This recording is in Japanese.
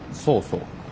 そうそう。